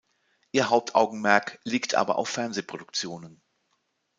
Ihr Hauptaugenmerk liegt aber auf Fernsehproduktionen.